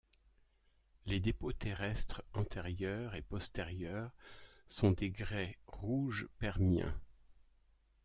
Les dépôts terrestres antérieurs et postérieurs sont des grès rouges permiens.